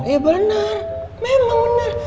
eh benar memang benar